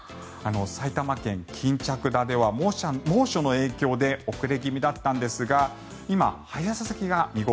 埼玉県・巾着田では猛暑の影響で遅れ気味だったんですが今、早咲きが見頃。